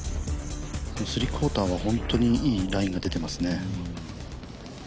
スリークォーターは本当にいいラインが出ていますね。